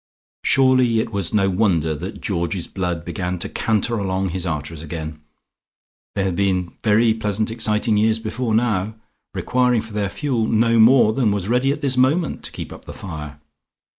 Surely it was no wonder that Georgie's blood began to canter along his arteries again. There had been very pleasant exciting years before now, requiring for their fuel no more than was ready at this moment to keep up the fire.